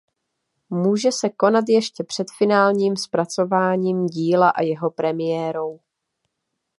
Může se konat ještě před finálním zpracováním díla a jeho premiérou.